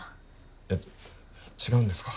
えっ違うんですか？